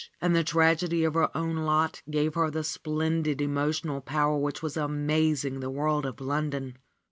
And the tragedy of her own lot gave her the splendid emotional power which was amazing the world of London.